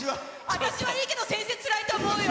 私はいいけど先生、つらいと思うよ。